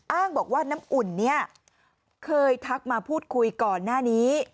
อ้างบอกว่าน้ำอุ่นเนี่ยเคยทักมาพูดคุยก่อนหน้านี้